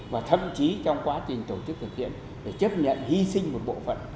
và thậm chí trong quá trình tổ chức thực hiện để chấp nhận hy sinh một bộ phận